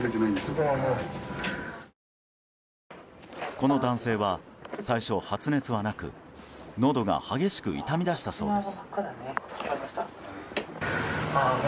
この男性は最初、発熱はなくのどが激しく痛み出したそうです。